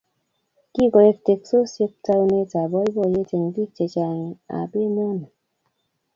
Kikoek teksosiet taunet ab boiboyet eng bik che chang ab emoni